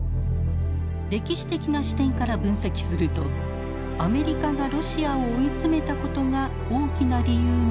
歴史的な視点から分析するとアメリカがロシアを追い詰めたことが大きな理由の一つだといいます。